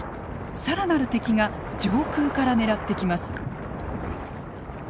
更なる敵が上空から狙ってきます。